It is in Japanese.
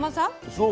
そう。